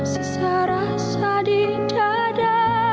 sisa rasa di dada